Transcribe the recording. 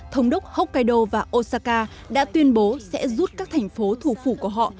thống đốc hokkaido và osaka đã tuyên bố sẽ rút các thành phố thủ phủ của họ